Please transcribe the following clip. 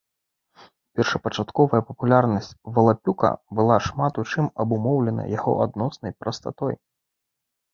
Першапачатковая папулярнасць валапюка была шмат у чым абумоўлена яго адноснай прастатой.